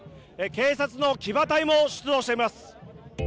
警察の騎馬隊も出動しています。